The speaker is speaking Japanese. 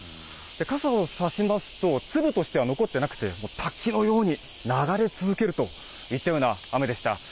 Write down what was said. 傘を差しますと、粒としては残ってなくて、滝のように流れ続けるといったような雨でした。